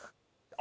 あ！